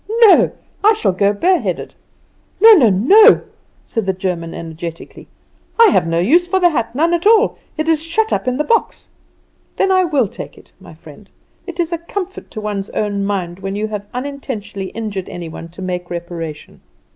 No; I shall go bare headed." "No, no, no!" cried the German energetically. "I have no use for the hat, none at all. It is shut up in the box." "Then I will take it, my friend. It is a comfort to one's own mind when you have unintentionally injured any one to make reparation.